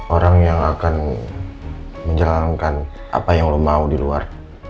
orang yang akan menjalankan apa yang lo mau di luar